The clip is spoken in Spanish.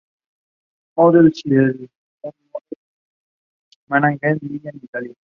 Models, y Joy Models Management en Milán, Italia.